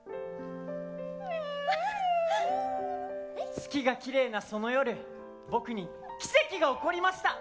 月がきれいなその夜僕に奇跡が起こりました。